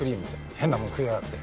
変なもん食いやがって。